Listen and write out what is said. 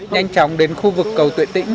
nhanh chóng đến khu vực cầu tuệ tĩnh